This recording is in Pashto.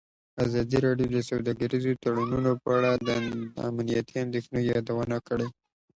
ازادي راډیو د سوداګریز تړونونه په اړه د امنیتي اندېښنو یادونه کړې.